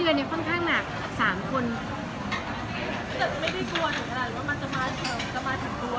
แต่ไม่ได้กลัวถึงกระดานว่ามันจะมาทำกลัวหรือว่า